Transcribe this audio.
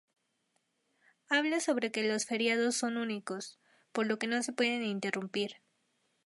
Habla sobre que los feriados son únicos, por lo que no se pueden interrumpir.